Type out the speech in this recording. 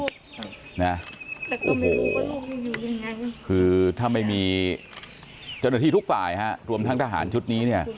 โอ้โหคือถ้าไม่มีเจ้าหน้าที่ทุกฝ่ายฮะรวมทั้งทหารชุดนี้เนี่ย